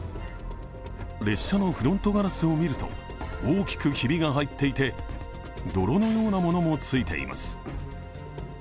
列車のフロントガラスを見ると、大きくひびが入っていて泥のようなものもついています。